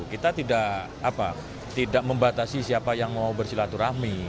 kita tidak membatasi siapa yang mau bersilaturahmi